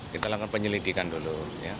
kita lakukan penyelidikan dulu